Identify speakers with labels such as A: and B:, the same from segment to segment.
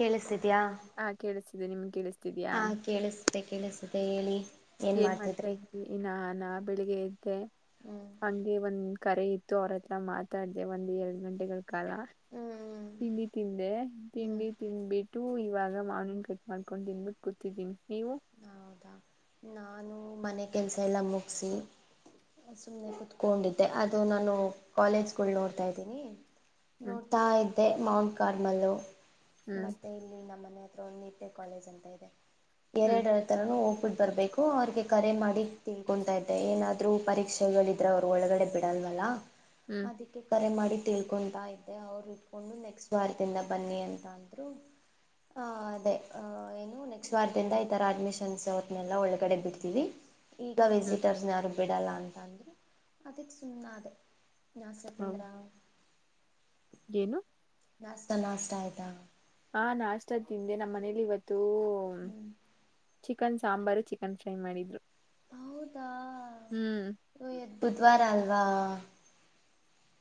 A: ಕೇಳಿಸ್ತಿದಿಯ
B: ಹ ಕೇಳಿಸ್ತಿದೆ ನಿಮ್ಗೆ ಕೇಳಿಸ್ತಿದ್ಯಾ
A: [unintelligible] ಕೇಳಿಸ್ತಿದೆ ಹೇಳಿ
B: ಏನ್ ಮಾಡ್ತಾ ಇದ್ವಿ ನಾನ ಬೆಳಿಗ್ಗೆ ಎದ್ದೆ
A: ಹ್ಮ್
B: ಹಂಗೆ ಒಂದ್ ಕರೆ ಇತ್ತು ಅವ್ರ ಹತ್ರ ಮಾತಾಡ್ದೆ ಒಂದ್ ಎರಡು ಗಂಟೆಗಳ ಕಾಲ
A: ಹ್ಮ್
B: ತಿಂಡಿ ತಿಂದೆ
A: ಹ್ಮ್
B: ತಿಂಡಿ ತಿನ್ಬಿಟ್ಟು ಇವಾಗ ಮಾವಿನ ಹಣ್ಣು ಕಟ್ ಮಾಡ್ಕೊಂಡು ತಿನ್ಬಿಟ್ಟು ಕೂತಿದ್ದೀನಿ ನೀವು
A: ಹೌದಾ ನಾನು ಮನೆ ಕೆಲಸ ಎಲ್ಲ ಮುಗಿಸಿ ಸುಮ್ಮನೆ ಕುತ್ಕೊಂಡಿದ್ದೆ ಅದು ನಾನು ಕಾಲೇಜ್ಗಳು ನೋಡ್ತಾ ಇದ್ದೀನಿ
B: ಹ್ಮ್
A: ನೋಡ್ತಾ ಇದ್ದೆ ಮೌಂಟ್ ಕಾರ್ಮಲ್
B: ಹ್ಮ್
A: ಮತ್ತೆ ಇಲ್ಲಿ ನಮ್ಮ ಮನೆತ್ರ ಒಂದು [unintelligible] ಕಾಲೇಜ್ ಅಂತ ಇದೆ
B: ಹ್ಮ್
A: ಎರಡು ನಾನು ಹೋಗ್ಬಿಟ್ಟು ಬರ್ಬೇಕು ಅವ್ರಿಗೆ ಕರೆ ಮಾಡಿ ತಿಳ್ಕೊತಾ ಇದ್ದೆ ಏನಾದ್ರು ಪರೀಕ್ಷೆಗಳು ಅವ್ರು ಒಳಗಡೆ ಬಿಡಲ್ವಲ್ಲ
B: ಹ್ಮ್
A: ಅದಿ ಕರೆ ಮಾಡಿ ತಿಳ್ಕೊತಾ ಇದ್ದೆ ಅವ್ರು ಇಟ್ಕೊಂಡು ನೆಕ್ಸ್ಟ್ ವಾರದಿಂದ ಬನ್ನಿ ಅಂತ ಅಂದ್ರು ಹ ಅದೇ ಹ ಏನು ನೆಕ್ಸ್ಟ್ ವಾರ್ ಈ ತರ ಅಡ್ಮಿಷನ್ಸ ಅವರ್ನೆಲ್ಲ ಒಳಗಡೆ ಬಿಡ್ತೀವಿ ಈಗ
B: ಹ್ಮ್
A: ವಿಸಿಟರ್ಸ್ ಯಾರು ಬಿಡೋಲ್ಲ ಅಂತ ಅಂದ್ರು ಅದಕ್ಕೆ ಸುಮ್ಮನೆ ಅದೆ [unintelligible]
B: ಹೌದು
A: ತಿಂದ್ರ
B: ಏನು
A: ನಾಷ್ಟ ನಾಷ್ಟ ಆಯ್ತಾ
B: ಹಾ ನಾಷ್ಟ ತಿಂದೆ ನಮ್ಮ್ ಮನೇಲಿ ಇವತ್ತು
A: ಹ್ಞೂ
B: ಚಿಕನ್ ಸಾಂಬಾರು ಚಿಕನ್ ಫ್ರೈ ಮಾಡಿದ್ರು
A: ಹೌದಾ
B: ಹ್ಮ್
A: ಇವತ್ತು ಬುಧವಾರ ಅಲ್ವಾ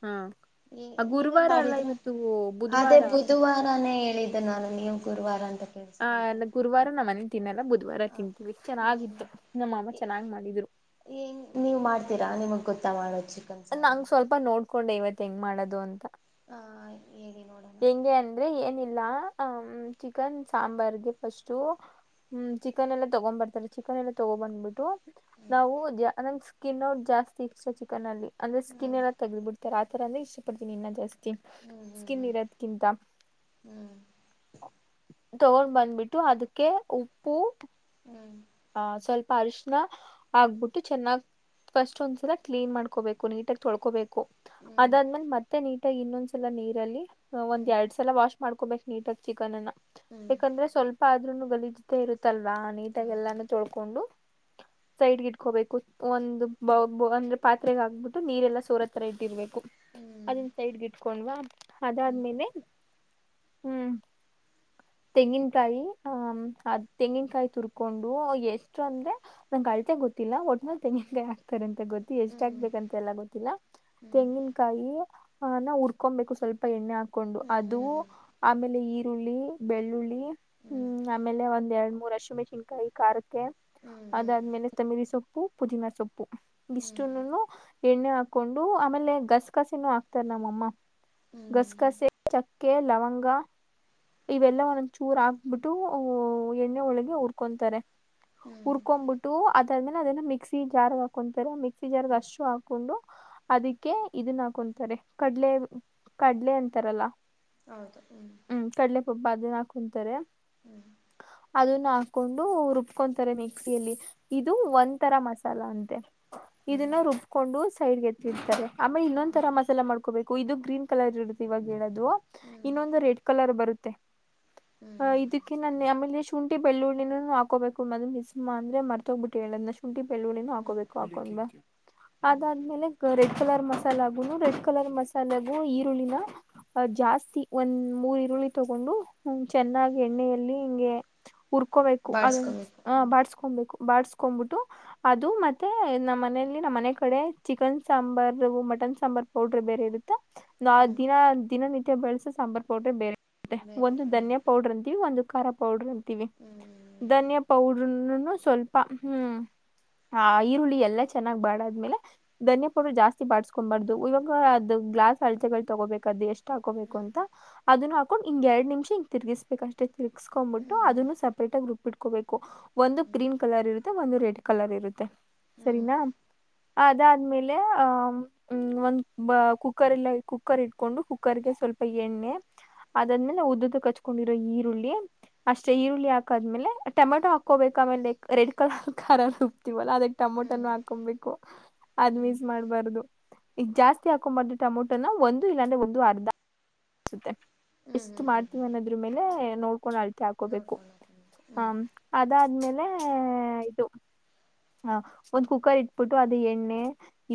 B: ಹ್ಮ್
A: ನೀವೇ ನೀವೇ ಮಾಡಿದ್ರೆ ಅದೇ
B: ಬುಧವಾರ
A: ಬುಧವಾರನೇ ಹೇಳಿದ್ದು ನಾನ್ ಏನ್ ಗುರುವಾರ ಅಂತ
B: ಆ
A: ಕೇಳಿಸ್ಕೊಂಡ್ರೆ
B: ಅಲ್ಲ ಗುರುವಾರ ನಮ್ ಮನೆಲೀ ತಿನ್ನಲ್ಲ ಬುಧವಾರ
A: ಹೌದು
B: ತಿಂತೀವಿ ಚೆನ್ನಾಗಿತ್ತು ನಮ್ಮ ಅಮ್ಮ ಚೆನ್ನಾಗ್ ಮಾಡಿದ್ರು
A: ಏಂಗ್ ನೀವ್ ಮಾಡ್ತೀರಾ ನಿಮಗ್ ಗೊತ್ತಾ ಮಾಡೋದು ಚಿ
B: ನಂಗ್ ಸ್ವಲ್ಪ ನೋಡ್ಕೊಂಡೆ ಇವತ್ ಹೆಂಗ್ ಮಾಡೋದು ಅಂತ
A: ಹ ಹೇಳಿ ನೋಡ
B: ಹೆಂಗೆ ಅಂದ್ರೆ ಏನಿಲ್ಲ ಹ ಚಿಕನ್ ಸಾಂಬಾರ್ಗೆ ಫಸ್ಟು ಹ್ಮ್ ಚಿಕನ್ ಎಲ್ಲ ತಗೊಂಡ್ ಬರ್ತಾರೆ ಚಿಕನ್ ಎಲ್ಲ ತಗೋ ಬಂದ್ಬಿಟ್ಟು ನಾವು ನಂಗೆ ಸ್ಕಿನ್ ಔಟ್ ಜಾಸ್ತಿ ಇಸ್ಟ ಚಿಕನ್ ಅಲ್ಲಿ ಅಂದ್ರೆ ಸ್ಕಿನ್
A: ಹ್ಮ್
B: ಎಲ್ಲ ತಗ್ದ್ ಬಿಡ್ತರೆ ಆಥರ ಅಂದ್ರೆ ಇಷ್ಟಪಡ್ತೀನಿ ಇನ್ನು ಜಾಸ್ತಿ
A: ಹ್ಮ್ ಹ್ಮ್
B: ಸ್ಕಿನ್ ಇರೋದಕ್ಕಿಂತ
A: ಹ್ಮ್
B: ತಗೊಂಡ್ ಬಂದ್ಬಿಟ್ಟು ಅದಕ್ಕೆ ಉಪ್ಪು
A: ಹ್ಮ್
B: ಹ ಸ್ವಲ್ಪ ಅರ್ಶಿನ ಆಗ್ಬಿಟ್ಟು ಚೆನ್ನಾಗ್ ಫಸ್ಟ್ ಒಂದ್ಸಲ ಕ್ಲೀನ್ ಮಾಡ್ಕೊಬೇಕು ನೀಟಾಗಿ ತೊಳ್ಕೋಬೇಕು ಅದಾದ್ಮೇಲೆ ಮತ್ತೆ ನೀಟಾಗಿ ಇನ್ನೊಂದ್ ಸಲ ನೀರಲ್ಲಿ ಒಂದ್ ಎರಡ್ ಎಲ್ಲ ವಾಶ್ ಮಾಡ್ಕೋಬೇಕ್ ನೀಟ್ ಆಗಿ ಚಿಕನ್ ಅನ್ನ
A: ಹ್ಮ್
B: ಯಾಕಂದ್ರೆ ಸ್ವಲ್ಪ ಆದ್ರೂನು ಗಲೀಜ್ [unintelligible] ಇರುತ್ತಲ್ವಾ ನೀಟಾಗೆಲ್ಲಾನೂ ತೊಳ್ಕೊಂಡು
A: [inaudible]
B: ಸೈಡ್ಗೆ ಇಟ್ಕೋಬೇಕು ಒಂದು ಬೌಲ್ ಅಂದ್ರೆ ಪಾತ್ರೆಗೆ ಹಾಕ್ಬಿಟ್ಟು ನೀರೆಲ್ಲಾ ಸೋರೊ ತರ ಇಟ್ಟಿರ್ಬೇಕು ಅದನ್ ಸೈಡ್ಗ ಇಟ್ಕೊಂಡ್ವಾ ಅದಾದ್ಮೇಲೆ. ಹ್ಮ್ ತೆಂಗನ್ಕಾಯಿ ಹ ಅದ್ ತೆಂಗಿನಕಾಯಿ ತುರ್ಕೊಂಡು. ಓ ಎಷ್ಟು ಅಂದ್ರೆ ನಂಗೆ ಅಳತೆ ಗೊತ್ತಿಲ್ಲ ಒಟ್ಟ್ಮೇಲ್ ತೆಂಗಿನಕಾಯಿ ಹಾತಾರೆ ಅಂತ ಗೊತ್ತ. ಎಷ್ಟಹಾಗ್ಬೇಕಂತ ಎಲ್ಲ ಗೊತ್ತಿಲ್ಲ ತೆಂಗಿನ. ಕಾಯಿ ಅ ನ ಉರ್ಕೊಬೇಕು ಸ್ವಲ್ಪ ಎಣ್ಣೆ ಹಾಕೊಂಡು ಅದು ಆಮೇಲೆ ಈ. ಈರುಳ್ಳಿ ಬೆಳ್ಳುಳ್ಳಿ ಹ್ಮ್ ಆಮೇಲೆ ಒಂದ್ ಎರಡು ಮೂರ್ ಹಸಿ ಮೆನ್ಸಿನ್ಕಾಯಿ ಖ.
A: ಹ್ಮ್ ಹ್ಮ್ ಹ್ಮ್ ಹೌದೌದು ಹ್ಮ್ ಹ್ಮ್ ಹ್ಮ್ ಹ್ಮ್ ಹ್ಮ್ ಹ್ಮ್ ಹ್ಮ್ ಹ್ಮ್ ಹ್ಮ್ ಹ್ಮ್ ಹ್ಮ್
B: ಅದಾದ್ಮೇಲೆ ತಮ್ಮಿರಿ ಸೊಪ್ಪು ಪುದೀನ ಸೊಪ್ಪು ಇಷ್ಟುನು. ಎಣ್ಣೆ ಹಾಕೊಂಡು ಆಮೇಲೆ ಗಸಗಸಿನ್ನು ಹಾಕ್ತಾರ ನಮ್ಮಮ್ಮ.
A: ಹ್ಮ್
B: ಗಸ್ಕಸೆ ಚಕ್ಕೆ ಲವಂಗ. ಇವೆಲ್ಲ ಒಂದ ಚೂರ್ ಹಾಕ್ಬಿಟ್ಟು ಎಣ್ಣೆ ಒಳಗೆ ಹೂರ್ಕೊಂತಾರೆ.
A: ಹ್ಮ್
B: ಹರ್ಕೊನ ಬಿಟ್ಟು ಅದಾದ್ಮೇಲೆ ಅದೆಲ್ಲ ಮಿಕ್ಸಿ ಜಾರ್ ಹಾಕೊಂತಾರೆ ಮಿಕ್. ಮಿಕ್ಸಿ ಜಾರ್ಗ ಅಷ್ಟು ಹಾಕೊಂಡು. ಅದಕ್ಕೆ ಇದನ್ನ ಹಾಕೊಂತಾರೆ ಕಡ್ಲೆ ಕಡಲೆ ಅಂತಾರಲ್ಲ.
A: ಹೌದು ಹ್ಮ್.
B: ಕಡಲೆ ಪಬ ಅದನ್ನ ಹಾಕುಂತಾರೆ.
A: ಹ್ಮ್.
B: ಅದನ್ನ ಹಾಕೊಂಡು ರುಬ್ಕೊತಾರೆ ಮಿಕ್ಸಿಯಲ್ಲಿ ಇದು ಒಂದ ತರ ಮಸಾಲ ಅಂತೆ.
A: ಹ್ಮ್
B: ಇದನ್ನ ರುಬ್ಕೊಂಡು ಸೈಡ್ಗೆ ಎತ್ತಿರ್ತಾರೆ ಆಮೇಲೆ ಇನ್ನೊಂದ
A: ಹ್ಮ್
B: ತರ ಮಸಾಲೆ ಮಾಡ್ಕಾರೆ. ಬೇಕು ಇದು ಗ್ರೀನ್ ಕಲರ್ ಇರುತ್ತೆ ಇವಾಗ ಹೇಳೋದು
A: ಹ್ಮ್
B: ಇನ್ನೊಂದು ರೆಡ್ ಕಲರ್ ಬರುತ್ತೆ. ಹ
A: ಹ್ಮ್
B: ಇದ. ನನ್ ಆಮೇಲೆ ಶುಂಠಿ ಬೆಳ್ಳುಳ್ಳಿನೂ ಹಾಕೋಬೇಕು ಅ ಮಿಸ್ ಅಂದ್ರೆ ಮತೋಗಬಿಟ್ಟ ಹೇಳ್ರ ಶುಂಠಿ. ಬೆಳ್ಳುಳ್ಳಿನ
A: ಹ್ಮ್
B: ಹಾಕೋಬೇಕು ಹಾಕೊಂಡ
A: ಹ್ಮ್
B: ಅದಾದ್ಮೇಲೆ. ರೆಡ್ ಕಲರ್ ಮಸಾಲೆ ಆಗುನು ರೆಡ್ ಕಲರ್ ಮಸಾಲೆಗು ಈರುಳ್ಳಿನ. ಜಾಸ್ತಿ ಒಂದ್ ಮೂರ್ ಇರುಳ್ಳಿ. ತಗೊಂಡು ಹ್ಮ ಚೆನ್ನಾಗಿ ಎಣ್ಣೆಯಲ್ಲಿ ಹಿಂಗೆ ಉರ್ಕೋಬೇಕು ಅದ.
A: ಬಾಡ್ಸ್ಕೋಬೇಕು
B: ಹ
A: ಹ್ಮ್
B: ಬಾಸ್ಕೊಬೇಕು ಬಾಸ್ಕೊನ ಬಿಟ್ಟು. ಅದು ಮತ್ತೆ ನಮ್ಮ್ ಮನಲಿ ನಮ್ಮ್ ಮನೆ ಕಡೆ ಚಿಕನ್ ಸಾಂಬಾರ ಮಟನ್ ಸಾಂಬಾರ್. ಪೌಡ್ರ ಬೇರೆ ಇರುತ್ತ ನಾ
A: ಹ್ಮ್
B: ದಿನಾ ದಿನನಿತ್ಯ ಬೆಳಸ ಸಾಂಬಾರ್ ಪೌಡ್ರ ಬೇರೆ.
A: ಬೇರೆ
B: ಒಂದು
A: ಹ್ಮ್
B: ಧನ್ಯಾ ಪೌಡರ್ ಅಂತೆವಿ ಒಂದು ಖಾರ ಪೌಡರ್ ಅಂತಿ.
A: ಹ್ಮ್
B: ಧನ್ಯಾ ಪೌಡರ್ ನು ಸ್ವಲ್ಪ ಹ್ಮ್. ಹ ಈರುಳ್ಳಿ ಎಲ್ಲಾ ಚೆನ್ನಾಗ್ ಬಾಡದ್ಮೇಲೆ. ಧನಿಯ ಪೌಡರ್ ಜಾಸ್ತಿ ಬಾಡಿಸ್ಕೊಬಾರ್ದು ಇವಾಗ ಅದ್ ಗ್ಲಾಸ್ ಅಳತೆಗಳು ತಗೋಬೇಕದು ಎಷ್ಟು. ಹಾಕೋಬೇಕು
A: ಹ್ಮ್
B: ಅಂತ ಅದನ್ನು. ಕೊಂಡ್ ಹಿಂಗ ಎರಡ್ ನಿಮಿಷ ಹಿಂಗ ತಿರ್ಗ್ಬೇಕಕ್ ಅಷ್ಟೇ ತಿರ್ಗಸ್ಕ್ಂಬಿಟ್ಟು
A: ಹ್ಮ್ ಹ್ಮ್ ಹ್ಮ್
B: ಅದನ್ನು ಸಪೇಟ್ಗಿ ರುಬ್ಬಿ ಇಟ್ಕೋಬೇಕು. ಒಂದು ಗ್ರೀನ್ ಕಲರ್ ಇರುತ್ತೆ ಒಂದು ರೆಡ್ ಕಲರ್ ಇರುತ್ತೆ
A: ಹ್ಮ್
B: ಸರಿನಾ. ಅದಾದ್ಮೇಲೆ ಆಹ. ಹ್ಮ್ ಒಂದ್ ಕುಕ್ಕರ್ಲ್ಲ ಕುಕ್ಕರ್ ಇಟ್ಕೊಂಡು ಕುಕ್ಕರ್ಗೆ ಸ್ವಲ್ಪ ಎಣ್ಣೆ. ಅದಾದ್ಮೇಲೆ ಉದ್ದ ಕ ಹಚ್ಕೊಂಡಿರೋ ಈರುಳ್ಳಿ. ಅಷ್ಟೇ ಈರುಳ್ಳಿ ಹಾಕಾದ್ಮೇಲೆ ಟೊಮೆಟೊ ಹಾಕೋಬೇಕ ಆಮೇಲೆ ರೆಡ್ ಕಲರ್ ಖಾರ ರುಬ್ಬ್ಟೆವ್ವಲ್ಲ ಅದಕ್ಕೆ.
A: ಹ್ಮ್ ಹ್ಮ್
B: ಟಮೋಟನು ಹಾಕೊಬೇಕು ಅದ್
A: ಹ್ಮ್
B: ಮೀಸ್ ಮಾಡ್ಬಾರ್ದ. ಈ ಜಾಸ್ತಿ ಹಾಕೊಂಡಬಾರ್ರೆ ಟೊಮೊಟೋನ ಒಂದು ಇಲ್ಲಾಂದ್ರೆ ಒಂದು ಅರ್ಧ ಅನ್ಸುತ್ತೆ. ಎಷ್ಟು
A: ಹ್ಮ್
B: ಮಾಡ್ತೀವಿ ಅನ್ನೋದ್ರ ಮೇಲೆ ನೋಡ್ಕೊಂಡ್ ಅಳತೆ ಹಾಕೋಬೇಕು
A: ನೋಡ್ಕೊಂಡು ಹಾಕೊಬೇಕು
B: ಹ್ಮ.
A: ಹ್ಮ್
B: ಅದಾದ್ಮೇಲೆ ಇದು. ಹ ಒಂದ್ ಕುಕ್ಕರ್ ಇಟ್ಬಿಟ್ಟು ಅದ ಎಣ್ಣೆ.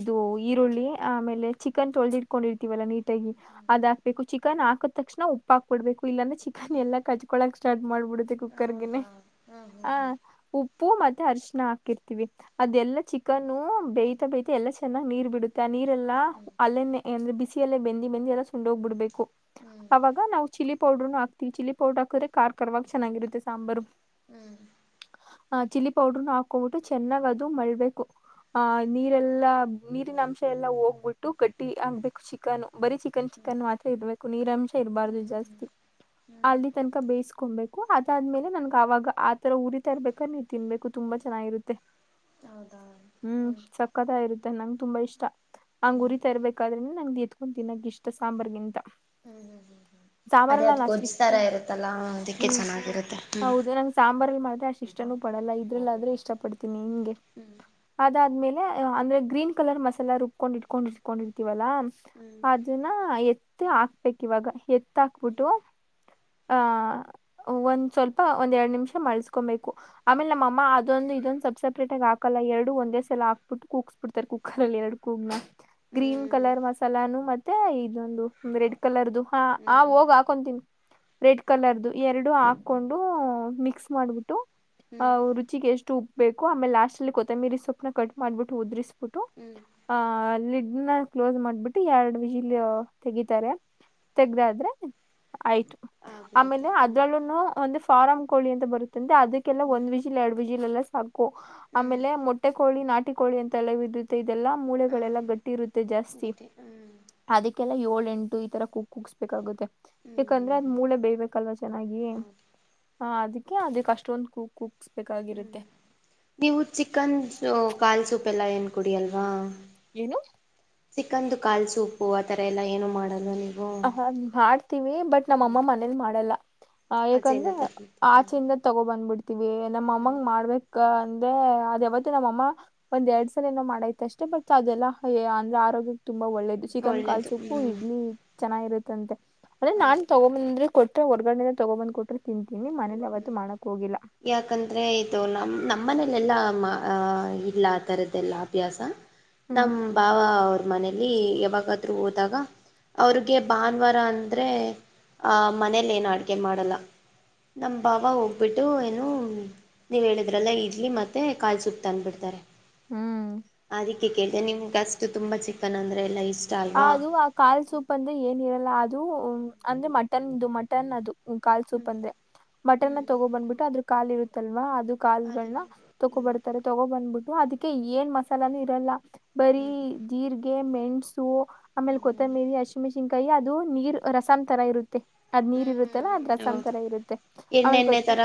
B: ಇದು ಈರುಳ್ಳಿ ಆಮೇಲೆ ಚಿಕನ್ ತೊಳೆದಿ ಇಟ್ಕೊಂಡಿರ್ತೀವಲ್ಲ ನೀ. ತೇಗಿ ಅದ ಆಕ್ಬೇಕು ಚಿಕನ್ ಹಾಕದ ತಕ್ಷಣ ಉಪ್ಪ ಹಾಕ್ ಬಿಡ್ಬೇಕು ಇಲ್ಲಾಂದ್ರ ಚಿಕನ್ ಎಲ್ಲ ಕಜಕೊಳಕ್ ಸ್ಟಾರ್ಟ್ ಮಾಡ್ಬಿಡುತ್ತೆ ಕುಕ್ಕರ್ಗೆನೇ
A: ಹೌದಾ ಹ್ಮ್
B: ಹ
A: ಹ್ಮ್
B: ಉ ಪ್ಪೂ ಮತ್ತೆ ಅರ್ಶಣ ಹಾಕಿರ್ತಿವಿ ಅದೆಲ್ಲಾ ಚಿಕನ್ನು ಬೇಯತಾ ಬೆಯತಾ ಎಲ್ಲ ಚೆನ್ನಾಗ ನೀರ್ ಬಿಡುತ್ತ. ಆ ನೀರೆಲ್ಲಾ ಅಲ್ಲೇನೇ ಅಂದ್ರೆ ಬಿಸಿಯಲ್ಲೇ ಬೆಂದಿ ಬೆಂದಿ ಎಲ್ಲ ಸುಂಡೋಗ್ಬಿಡ್ಬೇಕು.
A: ಹ್ಮ.
B: ಆಗ ನಾವ ಚಿಲ್ಲಿ ಪೌಡರ್ರುನು ಹಾಕ್ತಿವಿ ಚಿಲ್ಲಿ ಪೌಡರ್ ಹಾಕಿದ್ರೆ ಕಾರ್ ಕಾರವಾಗಿ ಚೆನ್ನಾಗಿರುತ್ತೆ ಸಾಂಬಾರು.
A: ಹ್ಮ.
B: ಆ ಚಿಲ್ಲಿ ಪೌಡ್ರನ ಹಾಕೋಬಿಟ್ಟು ಚೆನ್ನಾಗ ಅದು ಮಳ್ಬೇಕು. ಆ ನೀರೆಲ್ಲಾ ನೀರಿನ ಅಂಶ ಎಲ್ಲಾ ಹೋಗ್ಬಿಟ್ಟು ಗಟ್ಟಿ ಆಗ್ಬೇಕು ಚಿಕನು ಬರೀ ಚಿಕ ಚಿಕನ್ ಚಿಕನ್ ಮಾತ್ರ ಇರಬೇಕು ನೀರಂಶ ಇರಬಾರ್ದ
A: ಹ್ಮ್ ಹ್ಮ್ ಹ್ಮ್
B: ಜಾಸ್ತಿ
A: ಹ್ಮ್
B: ಅಲ್ಲಿ. ತನಕ ಬೇಯ್ಕೊಸಬೇಕು ಅದಾದ್ಮೇಲೆ ನನ್ಗ ಅವಾಗ ಆತರ ಉರಿತರ್ಬೇಕಾದ ನೀವು ತಿನ್ಬೇಕು ತುಂಬಾ ಚೆನ್ನಾಗಿರುತ್ತೆ.
A: [inaudible]
B: ಹ್ಮ
A: ಹ್ಮ್
B: ಸಕ್ಕತಾ ಇರುತ್ತೆ ನಂಗ ತುಂಬಾ ಇಷ್ಟ. ಹಂಗ
A: ಹ್ಮ್
B: ಉರೀತ ಇರ್ಬೇಕಾದ್ರೆನ ನಂಗ ಎತ್ಕೊ ತಿನ್ನಕ ಇಷ್ಟ ಸಾಂಬಾರ್ಗಿಂತ
A: ಅದೇ
B: ಸಾಂಬಾರಲ್ಲ
A: ಅದ್
B: ನಾನು ಅಷ್ಟ ಇಷ್ಟ
A: ಗೊಜ್ತರಾ ಇರತ್ತಲ್ಲಾ ಅದಕ್ಕೆ ಚೆನ್ನಾಗಿರುತ್ತೆ ಹ್ಮ.
B: ಸಾಂಬಾರ್ಲ್ಲಿ ಮಾಡಿರೇ ಅಷ್ಟ ಇಷ್ಟನು ಪಡಲ್ಲ ಇದ್ರಲ್ಲ ಆದ್ರೆ ಇಷ್ಟ ಪಡ್ತೀನಿ ಹಿಂಗೆ
A: ಹ್ಮ.
B: ಅದಾದ್ಮೇಲೆ ಅಂದ್ರೆ ಗ್ರೀನ್ ಕಲರ್ ಮಸಾಲಾ ರುಬ್ಕೊಂಡ ಇಟ್ಕೊಂಡ ಇಟ್ಕೊಂಡಿರ್ತೀವಲ್ಲಾ
A: ಹ್ಮ್
B: ಆ ಇದನ್ನ ಎತ್ತಿ ಹಾಕ್ಬೇಕ ಇವಾಗ ಎತ್ತ ಹಾಕ್ಬಿಟ್ಟು ಆ ಒಂದ ಸ್ವಲ್ಪ ಒಂದ್ ಯಾಡ್ ನಿಮಿಷ ಮಳ್ಸ್ಕೊಬೇಕು. ಆಮೇಲ ನಮ್ಮಮ್ಮ ಅದೊಂದು ಇದೊಂದ ಸಬ್ಸಪೇಟಗ ಹಕಲ್ಲ ಎರಡು ಒಂದೇ ಸಲ ಹಾಕ್ಬಿಟ್ಟು ಕು ಬಿಡ್ತಾರೆ ಕುಕ್ಕರ್ ಅಲ್ಲಿ ಎರಡ ಕೂಗ್ನ
A: ಹ್ಮ್
B: ಗ್ರೀನ್ ಕಲರ್ ಮಸಾಲಾನು ಮತ್ತೆ ಇದೊಂದು ರೆಡ್ ಕಲರ್ದು ಹಾ ಆ
A: ಹ್ಮ್
B: ಹೋಗ ಆ ಕೊಂತನೀ ರೆಡ್ ಕಲರ್ದು ಎರಡು ಹಾಕೊಂಡು ಮಿಕ್ಸ್ ಮಾಡ್ಬಿಟ್ಟು ಆ
A: ಹ್ಮ್ ಹ್ಮ್
B: ರುಚಿಗೆ ಎಷ್ಟು ಉಪ್ಪಬೇಕೋ ಆಮೇಲ ಲಾಸ್ಟ್ ಅಲ್ಲಿ ಕೊತ್ತಂಬಿರಿ ಸೊಪ್ಪನ ಕಟ್ ಮಾಡ್ಬಿಟ್ಟು ಉದ್ರಿಸ್ಬಿಟ್ಟು
A: ಹ್ಮ.
B: ಆ ಲಿಡ್ನ ಕ್ಲೋಸ್ ಮಾಡ್ಬಿಟ್ಟು ಎರಡ್ ವಿಜಿಲ್ ತೆಗಿತಾರೆ. ತೆಗ್ದ ಆದ್ರೆ ಆಯ್ತು
A: ಆಗಿರುತ್ತೆ
B: ಆಮೇಲೆ
A: ಹ್ಞೂ
B: ಅದ್ರಲ್ಲುನು ಒಂದು ಫಾರಂ ಕೋಳಿ ಅಂತ ಬರುತ್ತಂತೆ ಅದಕ್ಕೆಲ್ಲಾ
A: ಹ್ಞೂ
B: ಒಂದ ವಿಜಿಲ್ ಎರಡ ವಿಜಿಲ್ ಎಲ್ಲ ಸಾಕು
A: ಹ್ಞೂ
B: ಆಮೇಲೆ ಮೊಟ್ಟೆ ಕೋಳಿ ನಾಟಿ ಕೋಳಿ ಅಂತೆ ಎಲ್ಲ ಬಿದ್ದುತ್ತೆ ಇದೆಲ್ಲಾ
A: ಹಾಂ
B: ಮೂಳೆಗಳೆಲ್ಲಾ ಗಟ್ಟಿ ಇರುತ್ತೆ ಜಾಸ್ತಿ.
A: ಗೊತ್ತೆ ಹ್ಞೂ
B: ಅದಕ್ಕೆಲ್ಲ ಏಳ ಎಂಟು ಈ ತರ ಕು ಕುಗ್ಗಸ್ಬೇಕಾಗುತ್ತೆ.
A: ಹ್ಞೂ
B: ಯಾಕಂದ್ರೆ ಅದ್
A: ಹ್ಞೂ ಹ್ಞೂ
B: ಮೂಳೆ ಬೇಯಬೇಕಲ್ವಾ ಚೆನ್ನಾಗಿ
A: ಹೌದು
B: ಆ ಅದಕ್ಕೆ ಅದಕ್ ಅಷ್ಟೊಂದ ಕು
A: ಹ್ಞೂ
B: ಕುಗ್ಸ್ಬೇಕಾಗಿರುತ್ತೆ.
A: ಹ್ಞೂ ನೀವು ಚಿಕನ್ ಕಾಲ ಸೂಪ್ ಎಲ್ಲ ಏನ್ ಕುಡಿಯಲ್ವಾ.
B: ಏನು
A: ಚಿಕನ್ದು ಕಾಲ ಸೂಪು ಆ ಥರ ಎಲ್ಲ ಏನು ಮಾಡಲ್ವಾ ನೀವು
B: ಹ ಮಾಡ್ತೀವಿ ಬಟ್ ನಮ್ಮ
A: ಹ್ಞೂ
B: ಅಮ್ಮ ಮನೇಲಿ ಮಾಡಲ್ಲ. ಆ
A: ಆಚೆಯಿಂದ
B: ಯಾಕಂದ್ರೆ
A: ತರ್ತಿರ್ತೀರಾ
B: ಆಚೆಯಿಂದ ತಗೋ ಬಂದ್ಬಿಡ್ತೀವಿ ನಮ್ಮ
A: ಹ್ಞೂ
B: ಅಮ್ಮಂಗ ಮಾಡ್ಬ ಕಂದೆ ಅದ ಯಾವತ್ತ ನಮ್ಮ ಅಮ್ಮ ಒಂದ್ ಎರಡ ಸಲ ಏನೋ ಮಾಡೈತ ಅಷ್ಟೇ ಬಟ್ ಅದೆಲ್ಲಾ ಅಂದ್ರೆ ಆರೋಗ್ಯ ತುಂಬಾ ಒಳ್ಳೇದ. ಚಿಕನ್ ಕಾಲ
A: ಒಳ್ಳೆಯದು
B: ಸುಪ್ಪು
A: ಹ್ಞೂ
B: ಇಡ್ಲಿ. ಚೆನ್ನಾಗಿರುತ್ತಂತೆ ಅಂದೆ ನಾನ್
A: ಹೌದು
B: ತಗೊ ಬಂದ್ರ ಕೊಟ್ರೆ ಹೊರ್ಗಡ ತಗೊ ಬಂದ್ ಕೊಟ್ರಿ ತಿಂತೀನಿ ಮನೇಲಿ ಯಾವತ್ತು ಮಾಡೋಕ ಹೋಗಿಲ್ಲ.
A: ಯಾಕಂದ್ರೆ ಇದು ನಮ್ಮ ನಮ್ಮನೇಲೇಲ್ಲ ಮಾ ಆ ಇಲ್ಲ ಆಥರದ್ದೆಲ್ಲ ಅಭ್ಯಾಸ.
B: ಹ್ಮ್
A: ನಮ್ಮ ಬಾವ ಅವ್ರ ಮನೇಲಿ ಯಾವಾಗಾದ್ರು ಹೋದಾಗ ಅವ್ರಿಗೆ ಭಾನುವಾರ ಅಂದ್ರೆ ಮನೇಲಿ ಏನು ಅಡುಗೆ ಮಾಡಲ್ಲ. ನಮ್ಮ ಭಾವ ಹೋಗ್ಬಿಟ್ಟು ಏನು ನೀವು ಹೇಳಿದ್ರಲ್ಲ ಇಡ್ಲಿ ಮತ್ತು ಕಾಲ್ ಸೂಪ್ ತಂದುಬಿಡ್ತಾರೆ.
B: ಹ್ಮ್
A: ಅದಕ್ಕೆ ಕೇಳಿದೆ ನಿಮ್ಗೆ ಅಷ್ಟು ತುಂಬಾ ಚಿಕನ್ ಅಂದ್ರೆ ಎಲ್ಲಾ ಇಷ್ಟ ಅಲ್ವಾ
B: ಅದು ಆ ಕಾಲ್ ಸೂಪ್ ಅಂದ್ರೆ ಏನ್ ಇರಲ್ಲ ಅದು ಅಂದ್ರೆ ಮಟನ್ದು ಮಟನ್ ಅದು ಕಾಲ್
A: ಹ್ಞೂ
B: ಸೂಪ್ ಅಂದ್ರೆ
A: ಹ್ಞೂ
B: ಮಟನ್ನ ತಗೋ ಬಂದ್ಬಿಟ್ಟು ಅದ್ರ ಕಾಲ ಇರುತ್ತಲ್ವಾ ಅದು
A: ಅದನ್ನು
B: ಕಾಲ್ಗಳನ್ನ
A: ಹ್ಞೂ
B: ತಗೋಬರ್ತಾರೆ ತಗೋ ಬಂದ್ಬಿಟ್ಟು ಅದಕ್ಕೆ ಏನ್ ಮಸಾಲಾನು ಇರಲ್ಲ. ಬರೀ
A: ಹ್ಞೂ
B: ಜೀರ್ರಿಗೆ ಮೆಣಸು ಆಮೇಲೆ ಕೊತ್ತಂಬರಿ
A: ಹ್ಞೂ
B: ಅಶಿಮೆನ್ಸಿಕಾಯಿ ಕೈ ಅದು ನೀರ್ ರಸಂ ತರ ಇರುತ್ತೆ. ಅದ್
A: ಹ್ಞೂ
B: ನೀರ್ ಇರುತ್ತಲ್ಲ ಅದ
A: ಹ್ಞೂ ಹ್ಞೂ
B: ರಸಂ
A: ಹೌದು
B: ತರ ಇರುತ್ತೆ ಆಮೇಲ್ ಗ
A: ಎಣ್ಣೆಣ್ಣೆ
B: [unintelligible]
A: ತರ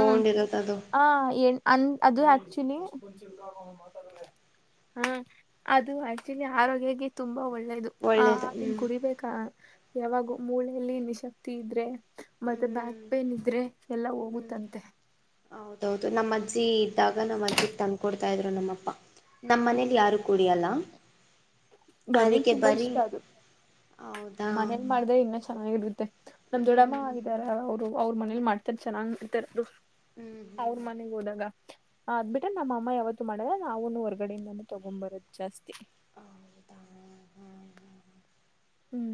B: ಹ್ಮ್ ಹ ಏ ಅನ್ ಅದು ಆಕ್ಚುಲಿ [unintelligible] ಹಾ ಅದು ಆಕ್ಚುಲಿ ಆರೋಗ್ಯಕ್ಕೆ ತುಂಬಾ ಒಳ್ಳೇದು ಆ
A: ಒಳ್ಳೇದು
B: ಅದನ್ನ
A: ಹ್ಮ್
B: ಕುಡಿಬೇಕಾ ಯಾವಾಗೂ ಮೂಳೆಯಲ್ಲಿ ನಿಶಕ್ತಿ ಇದ್ರೆ ಮತ್ತೆ ಬ್ಯಾಕ್
A: ಹ್ಮ್
B: ಪೇನ್ ಇದ್ರೆ ಎಲ್ಲಾ
A: ಹ್ಮ್
B: ಹೋಗುತ್ತಂತೆ
A: ಹೌದೌದು ನಮ್ಮ ಅಜ್ಜಿ ಇದ್ದಾಗ ನಮ್ಮ್ ಅಜ್ಜಿಗ್ ತಂದಕೊಡ್ತಾ ಇದ್ರು ನಮ್ಮಪ್ಪ. ನಮ್ಮ ಮನೇಲಿ ಯಾರು ಕುಡಿಯಲ್ಲ
B: ನನಗ್
A: ಅದಕ್ಕೆ
B: ತುಂಬಾ
A: ಬರೀ
B: ಇಷ್ಟ
A: ಹೌದಾ
B: ಮಾಡ್ದ್ರೆ ಇನ್ನಾ ಚೆನ್ನಾಗಿರುತ್ತೆ ನಮ್ ದೊಡ್ಡಮ್ಮ
A: ಹ್ಮ್
B: ಇದ್ದಾರ ಅವ್ರು ಅವ್ರ ಮನೇಲಿ ಮಾಡ್ತಾರೆ ಚೆನ್ನಾಗಿ ಇರುತ್ತೆ ಅದು.
A: ಹ್ಮ್
B: ಅವ್ರ
A: ಹ್ಮ್
B: ಮನೆಗ್ ಹೋದಾಗ ಅದ್ ಬಿಟ್ರೆ ನಮ್ಮ ಅಮ್ಮ ಯಾವತ್ತು ಮಾಡಲ್ಲ ನಾವುನು ಹೊರ್ಗಡೆಯಿಂದಾನೂ ತಗೊಬರದು ಜಾಸ್ತಿ
A: ಹದಾ ಹ್ಮ ಹಾ
B: ಹ್ಮ್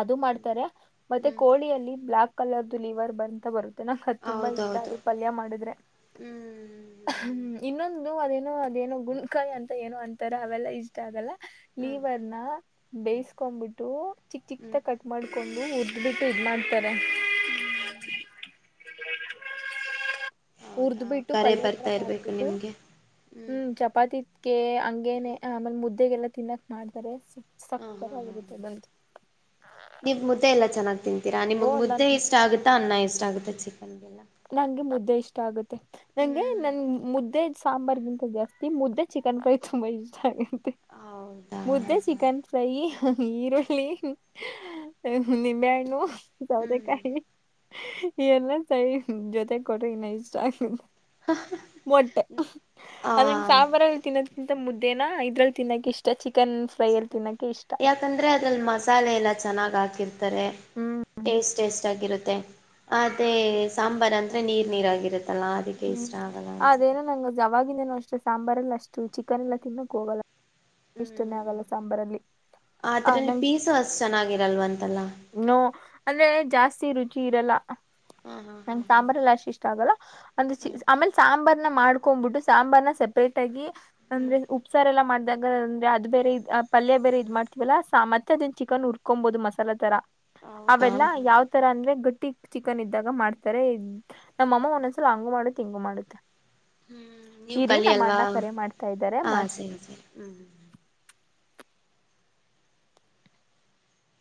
B: ಅದು ಮಾಡ್ತಾರೆ ಮತ್ತೆ
A: ಹ್ಮ್
B: ಕೋಳಿಯಲ್ಲಿ ಬ್ಲಾಕ್ ಕಲರ್ದು ಲಿವರ್ ಬಂತ ಬರುತ್ತೆ ನಾಕ್ ಅದು ತುಂಬಾ ಈಸ್ಟ ಅದು ಪಲ್ಯ ಮಾಡಿದ್ರೆ
A: ಹ್ಮ್ ಹ್ಮ್
B: ಹ್ಮ ಇನ್ನೊಂದು ಅದೇನೋ ಅದೇನೋ ಗುಣಕಾಯಿ ಅಂತ ಏನೋ ಅಂತಾರ ಅವೆಲ್ಲಾ ಇಷ್ಟ ಆಗಲ್ಲ
A: ಹ್ಮ್
B: ಲೀವರ್ನ ಬೇಯಸ್ಕೊಂಡ್ಬಿಟ್ಟು ಚಿಕ್
A: ಹ್ಮ್
B: ಚಿಕ್ದಾಗಿ ಕಟ್ ಮಾಡ್ಕೊಂಡು ಉರ್ದ್ದ್ಬಿಟ್ಟು ಇದ ಮಾಡ್ತಾರೆ
A: ಹ್ಮ್
B: ಉರ್ದ್
A: ಹೌದಾ
B: ಬಿಟ್ಟು
A: ಕರೆ
B: ಪಲ್ಯ ತರ
A: ಬರ್ತಾ
B: ಮಾಡ್
A: ಇರಬೇಕು
B: ಬಿಟ್ಟು
A: ನಿಮಗೆ
B: ಹ್ಮ್ ಚಪಾತಿ [unintelligible] ಹಂಗೇನೆ
A: ಹ್ಮ್
B: ಆಮೇಲೆ ಮುದ್ದೆಗೆಲ್ಲ ತಿನ್ನಕ್ ಮಾಡ್ತಾರೆ
A: ಹ ಹಾ ಹ
B: ಸಕ್ಕತ್ತಾಗಿರುತ್ತೆ
A: ಹ
B: ಅದಂತು
A: ನೀವು ಮುದ್ದೆ ಎಲ್ಲಾ ಚೆನ್ನಾಗ್ ತಿಂತೀರಾ
B: ಓ
A: ನಿಮಗ್
B: ನನ್
A: ಮುದ್ದೆ ಇಷ್ಟ ಆಗುತ್ತೆ ತ್ತಾ ಅನ್ನ ಇಷ್ಟ ಆಗುತ್ತ ಚಿಕನ್ಗೆಲ್ಲ
B: ನಂಗೆ ಮುದ್ದೆ ಇಷ್ಟ ಆಗುತ್ತೆ ನಂಗೆ
A: ಹ್ಮ್
B: ನನ್ ಮುದ್ದೆ ಸಾಂಬಾರ್ಗಿಂತ ಜಾಸ್ತಿ ಮುದ್ದೆ ಚಿಕನ್ಕಾಯಿ ತುಂಬಾ ಇಷ್ಟ ಆಗೆ
A: ಹೌದಾ
B: ಮುದ್ದೆ ಚಿಕನ್ ಫ್ರೈ ಈರುಳ್ಳಿ ನಿಂಬೆಹಣ್ಣು
A: ಹ್ಮ್
B: ಸೌತೆಕಾಯಿ ಇ ಎಲ್ಲ ಸರಿ ಜೊತೆಗ್ ಕೊಟ್ರ ಇನ್ನ ಇಷ್ಟ ಆಗ್ತಿದೆ ಮೊಟ್ಟೆ
A: ಆ
B: ಅದಂಗ ಸಾಂಬಾರಗಳಲ್ಲಿ ತಿನ್ನತ್ತ ಇಂತ ಮುದ್ದೇನ ಇದ್ರಲ್ಲಿ ತಿನ್ನಕ ಇಷ್ಟ ಚಿಕನ್ ಫ್ರೈ ಅಲ್ಲಿ
A: ಚಿಕನ್
B: ತಿನ್ನಕೆ ಇಷ್ಟ
A: ಯಾಕಂದ್ರೆ ಅದ್ರಲ್ಲಿ ಮಸಾಲೆ ಎಲ್ಲ ಚೆನ್ನಾಗ್ ಹಾಕಿರ್ತಾರೆ
B: ಹ್ಮ್
A: ಟೇಸ್ಟ್ ಟೇಸ್ಟ್ ಆಗಿರುತ್ತೆ ಅದೇ ಸಾಂಬಾರ ಅಂದ್ರೆ ನೀರ್ ನೀರಾಗಿರುತ್ತೆ
B: ಹ್ಮ್ ಅದೇನ ನಂಗ ಅವಾಗಿಂದನು ಅಷ್ಟೆ ಸಾಂಬಾರ್ ಎಲ್ಲ ಅಷ್ಟು ಚಿಕನ್ ಎಲ್ಲಾ ತಿನ್ನಕ್ ಹೋಗಲ್ಲ ಇಷ್ಟನೇ
A: ಹ್ಮ್
B: ಆಗಲ್ಲ ಸಾಂಬಾರಲ್ಲಿ ಆ
A: ಆದ್ರೆ
B: ನಂಗ
A: ಪೀಸು ಅಷ್ಟ ಚೆನ್ನಾಗಿರಲ್ವತಲ್ಲ
B: ನೋ ಅಂದ್ರೆ ಜಾಸ್ತಿ ರುಚಿ ಇರಲ್ಲ
A: ಹಾ ಹಾ ಹಾ
B: ನಂಗೆ ಸಾಂಬಾರಲ್ಲ ಅಷ್ಟ ಇಷ್ಟ ಆಗಲ್ಲ ಅಂದ್ರೆ ಚ
A: ಹಾ ಹ್ಮ್
B: ಆಮೇಲೆ ಸಾಂಬಾರ್ನ ಮಾಡ್ಕೊಂಡ್ಬಿಟ್ಟು ಸಾಂಬಾರ್ನ ಸೆಪರೇಟ್ ಆಗಿ ಅಂದ್ರೆ
A: ಹ್ಮ್
B: ಉಪ್ಸಾರ್ ಎಲ್ಲಾ ಮಾಡ್ದಾಗ ಅಂದ್ರೆ ಅದು ಬೇರೆ ಪಲ್ಯ ಬೇರೆ ಇದ್
A: ಹ್ಮ್
B: ಮಾಡ್ತ ಎಲ ಮತ್ ಚಿಕನ್ ಉರ್ಕೊಬಹುದು ಮಸಾಲಾ ತರ
A: ಹೌದಾ
B: ಅವೆಲ್ಲಾ
A: ಹ್ಮ್
B: ಯಾವ್ ತರ ಅಂದ್ರೆ ಗಟ್ಟಿ ಚಿಕನ್ ಇದ್ದಾಗ ಮಾಡ್ತಾರೆ ನಮ್ಮ ಅಮ್ಮ ಒಂದ್ ಒಂದ್ ಸಲ ಅಂಗು ಮಾಡುತ್ತೆ ಇಂಗು ಮಾಡುತ್ತೆ
A: ಹ್ಮ್ ನೀವು
B: ಇರಿ
A: ಕಲಿ
B: ನಮ್ಮ
A: ಅಲ್ವಾ
B: ಅಣ್ಣ ಕರೆ ಮಾಡ್ತಾ ಇದ್ದಾರೆ
A: ಹ
B: ಮಾಡ್ತೀನಿ
A: ಸರಿ ಸರಿ ಹ್ಮ್